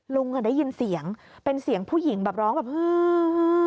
ได้ยินเสียงเป็นเสียงผู้หญิงแบบร้องแบบฮือ